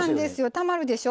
たまるでしょ？